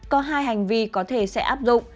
có hai hành vi có thể sẽ áp dụng